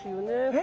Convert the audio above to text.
え？